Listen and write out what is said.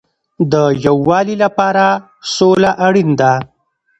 د یووالي لپاره سوله اړین ده